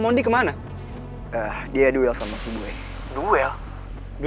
oke makasih settling tahu yang wide wind